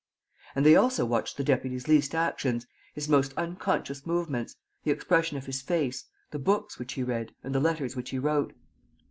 And they also watched the deputy's least actions, his most unconscious movements, the expression of his face, the books which he read and the letters which he wrote.